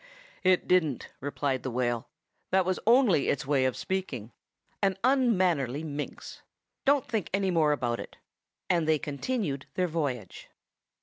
"It didn't," replied the whale. "That was only its way of speaking. An unmannerly minx! Don't think any more about it," and they continued their voyage.